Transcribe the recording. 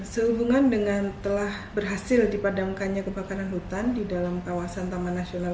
sehubungan dengan telah berhasil dipadamkannya kebakaran hutan di dalam kawasan taman nasional